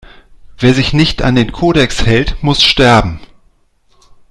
Wer sich nicht an den Kodex hält, muss sterben